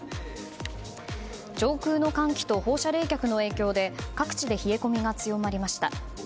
上空の寒気と放射冷却の影響で各地で冷え込みが強まりました。